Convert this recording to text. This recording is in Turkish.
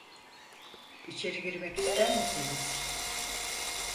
İçeri girmek ister misiniz?